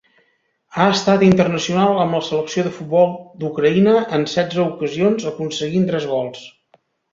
Ha estat internacional amb la Selecció de futbol d'Ucraïna en setze ocasions aconseguint tres gols.